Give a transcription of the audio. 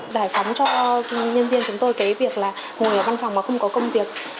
giải phóng cho nhân viên chúng tôi cái việc là ngồi ở văn phòng mà không có công việc